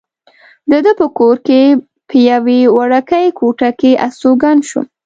د ده په کور کې په یوې وړوکې کوټه کې استوګن شوم.